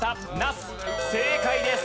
正解です。